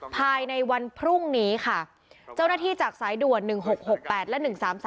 ภายในวันพรุ่งนี้ค่ะเจ้าหน้าที่จากสายด่วน๑๖๖๘และ๑๓๓